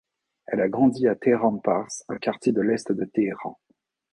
Elle a grandi à Tehranpars, un quartier de l'est de Téhéran.